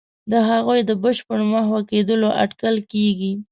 د هغوی د بشپړ محو کېدلو اټکل کېږي.